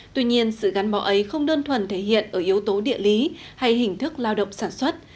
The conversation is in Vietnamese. tuy nhiên sự gắn màu ấy không đơn thuần thể hiện ở yếu tố địa lý hay hình thức lao động sản xuất